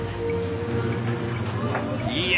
いや。